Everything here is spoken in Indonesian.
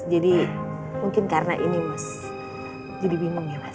jadi mungkin karena ini mas jadi bingung ya mas